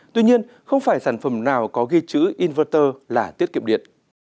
tuy nhiên không phải sản phẩm nào có ghi chữ inverter là tiết kiệm điện